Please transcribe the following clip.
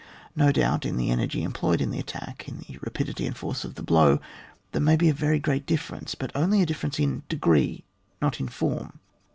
No doubt, in the energy employed in the attack, in the rapidity and force of the blow, there may be a great difference, but only a difference in decree, not in form.